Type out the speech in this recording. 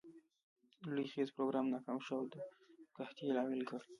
لوی خیز پروګرام ناکام شو او د قحطي لامل ګړ.